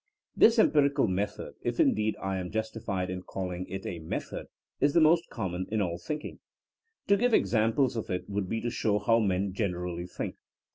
This empirical method — ^if indeed I am jus tified in calling it a method — ^is the most com mon in all thinking. To give examples of it would be to show how men generally think.